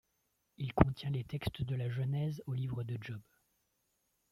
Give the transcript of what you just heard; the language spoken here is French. Il contient les textes de la Genèse au livre de Job.